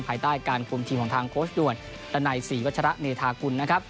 ภายใต้การคุมทีมของทางโค้ชด่วนดันัยศรีวัชระเมธากุลนะครับ